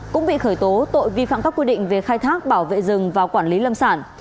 cũng bị khởi tố tội vi phạm các quy định về khai thác bảo vệ rừng và quản lý lâm sản